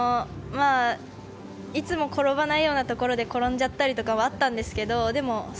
いつも転ばないようなところで転んじゃったりとかはあったんですけど